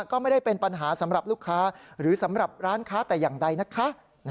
ก็ไม่ได้เป็นปัญหาสำหรับลูกค้าหรือสำหรับร้านค้าแต่อย่างใดนะคะ